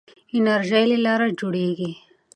انرژي له لمره جوړیږي.